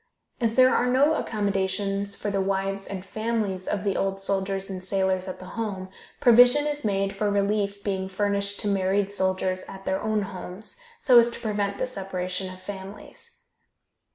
As there are no accommodations for the wives and families of the old soldiers and sailors at the home, provision is made for relief being furnished to married soldiers at their own homes, so as to prevent the separation of families.